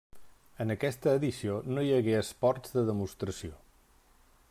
En aquesta edició no hi hagué esports de demostració.